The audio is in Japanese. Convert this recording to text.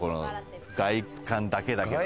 外観だけだけども。